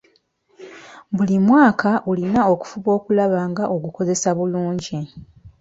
Buli mwaka olina okufuba okulaba nga ogukozesa bulungi.